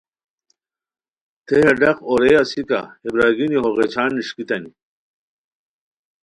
تھے ہے ڈاق اورئے اسیکہ ہے برارگینی ہو غیچھان نِݰکیتانی